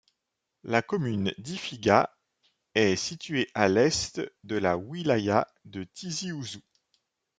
La commune d'Ifigha est située à l'est de la wilaya de Tizi Ouzou.